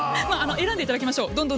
選んでいただきましょう。